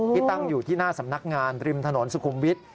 ที่ตั้งอยู่ที่หน้าสำนักงานริมถนนสุขุมวิทย์